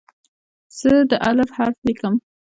زه د "الف" حرف لیکم.